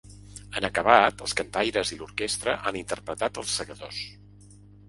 En acabat, els cantaries i l’orquestra han interpretat ‘Els Segadors’.